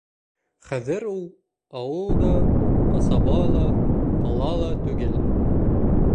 Хәҙер ул ауыл да, ҡасаба ла, ҡала ла түгел.